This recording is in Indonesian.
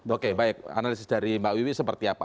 oke baik analisis dari mbak wiwi seperti apa